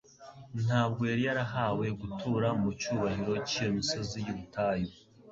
Ntabwo yari yarahawe gutura mu cyubahiro cy'iyo misozi y'ubutayu,